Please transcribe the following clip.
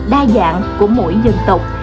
đa dạng của mỗi dân tộc